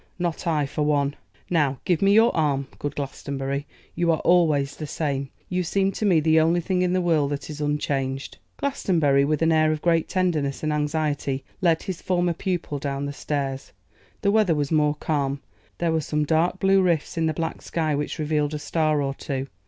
Not I, for one. Now, give me your arm. Good Glastonbury! you are always the same. You seem to me the only thing in the world that is unchanged.' Glastonbury, with an air of great tenderness and anxiety, led his former pupil down the stairs. The weather was more calm. There were some dark blue rifts in the black sky which revealed a star or two.